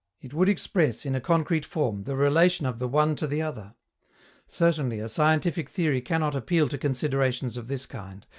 It would express, in a concrete form, the relation of the one to the other. Certainly, a scientific theory cannot appeal to considerations of this kind.